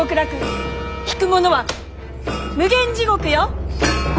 引く者は無間地獄よ！